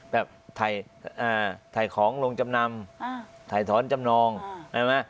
แบบถ่ายของโรงจำนำถ่ายถอนจำนองใช่ไหม